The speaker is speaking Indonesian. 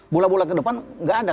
bola bola ke depan nggak ada